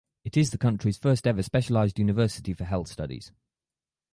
It is the country’s first ever specialized University for health studies.